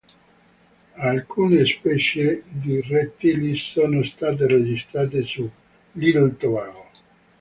Alcune specie di rettili sono state registrate su Little Tobago.